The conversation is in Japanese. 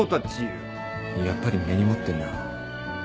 やっぱり根に持ってんな。